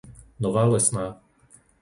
Nová Lesná